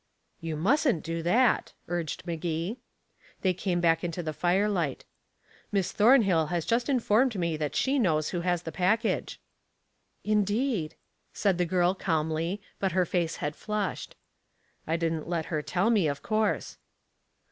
"You mustn't do that," urged Magee. They came back into the firelight. "Miss Thornhill has just informed me that she knows who has the package!" "Indeed," said the girl calmly, but her face had flushed. "I didn't let her tell me, of course."